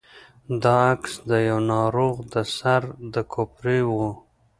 دا عکس د يوه ناروغ د سر د کوپړۍ و.